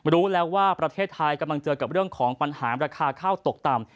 รู้แล้วว่าประเทศไทยกำลังเจอกับเรื่องของปัญหาราคาข้าวตกต่ำ